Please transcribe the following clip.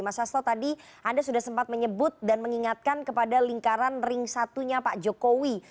mas sasto tadi anda sudah sempat menyebut dan mengingatkan kepada lingkaran ring satunya pak jokowi